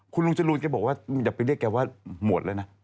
คุณลุงจรูนแกบอกว่าอย่าไปเรียกแกว่าหมวดแล้วนะ